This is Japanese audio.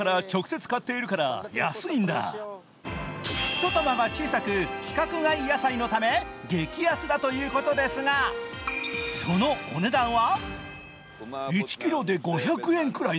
ひと玉が小さく、規格外野菜のため激安だということですがそのお値段は？